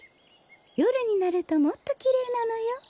よるになるともっときれいなのよ。